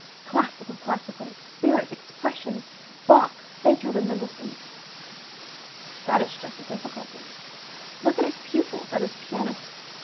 Classical, classical! Spirit! Expression! Bach, Beethoven, Mendelssohn!" That is just the difficulty. Look at his pupils, at his pianists!